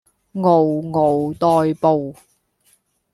嗷嗷待哺